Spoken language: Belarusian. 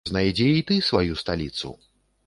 Знайдзі і ты сваю сталіцу!